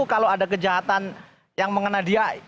kalau ada kejahatan yang mengena dia